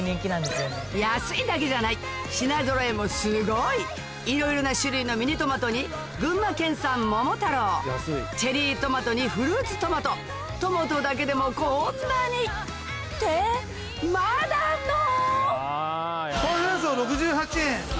安いだけじゃない品ぞろえもすごいいろいろな種類のミニトマトに群馬県産桃太郎チェリートマトにフルーツトマトトマトだけでもこんなに！ってまだあんの⁉